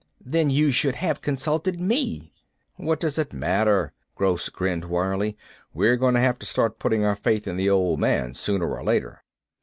"Then you should have consulted me." "What does it matter?" Gross grinned wryly. "We're going to have to start putting our faith in the old man sooner or later."